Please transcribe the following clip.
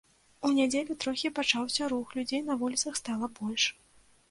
У нядзелю трохі пачаўся рух, людзей на вуліцах стала больш.